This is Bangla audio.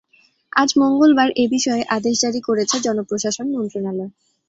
আজ মঙ্গলবার এ বিষয়ে আদেশ জারি করেছে জনপ্রশাসন মন্ত্রণালয়।